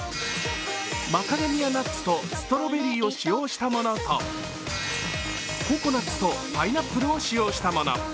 マカダミアナッツとストロベリーを使用したものとココナッツとパイナップルを使用したもの。